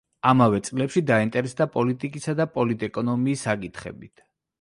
ამავე წლებში დაინტერესდა პოლიტიკისა და პოლიტეკონომიის საკითხებით.